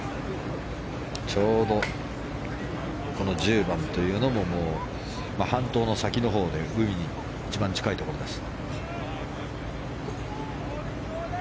ちょうど１０番というのも半島の先のほうで海に一番近いところです。